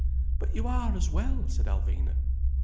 "But you are, as well," said Alvina.